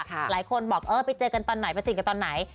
หลายคนบอกเออไปเจอกันตอนไหนไปติดกันตอนไหน